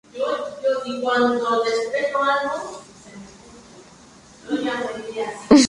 Gottfried nació en el seno de una familia pobre.